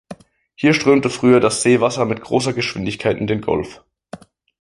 Hier strömte früher das Seewasser mit großer Geschwindigkeit in den Golf.